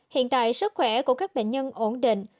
hiện tại sức khỏe của các bệnh nhân ổn định